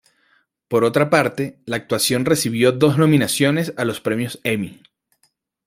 Por otra parte, la actuación recibió dos nominaciones a los premios Emmy.